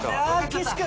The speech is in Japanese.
岸君。